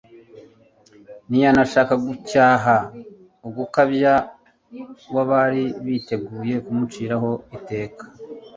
Ntiyanashaka gucyaha ugukabya kw'abari biteguye kumuciraho iteka.